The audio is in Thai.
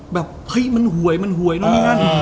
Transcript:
แบบเฮ้ยมันหวยมันหวยนั่นนั่น